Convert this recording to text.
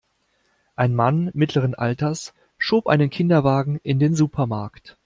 Ein Mann mittleren Alters schob einen Kinderwagen in den Supermarkt.